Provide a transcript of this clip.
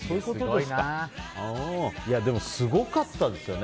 でも、すごかったですよね。